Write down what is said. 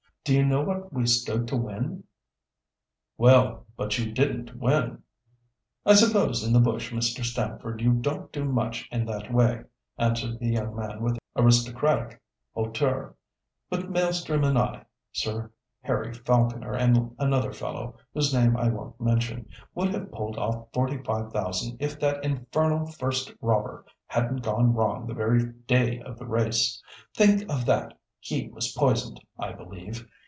Do you know what we stood to win?" "Well, but you didn't win!" "I suppose in the bush, Mr. Stamford, you don't do much in that way," answered the young man with aristocratic hauteur, "but Maelstrom and I, Sir Harry Falconer and another fellow, whose name I won't mention, would have pulled off forty five thousand if that infernal First Robber hadn't gone wrong the very day of the race. Think of that! He was poisoned, I believe.